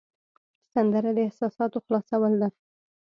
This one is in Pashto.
سندره د احساساتو خلاصول ده